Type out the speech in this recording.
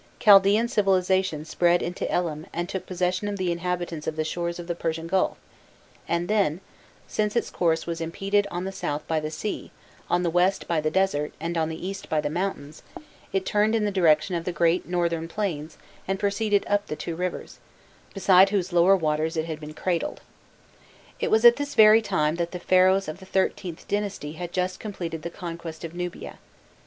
Chaldaeann civilization spread into Elam and took possession of the inhabitants of the shores of the Persian Gulf, and then, since its course was impeded on the south by the sea, on the west by the desert, and on the east by the mountains, it turned in the direction of the great northern plains and proceeded up the two rivers, beside whose lower waters it had been cradled. It was at this very time that the Pharaohs of the XIIIth dynasty had just completed the conquest of Nubia.